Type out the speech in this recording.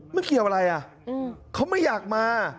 ไม่เกี่ยวอะไรเขาไม่อยากมา